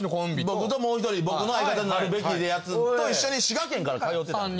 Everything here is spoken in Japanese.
僕ともう１人僕の相方になるやつと一緒に滋賀県から通ってたんですね。